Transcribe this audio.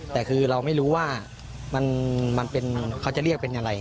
แต่คือเราไม่รู้ว่ามันเป็นเขาจะเรียกเป็นอะไร